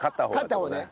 勝った方ね。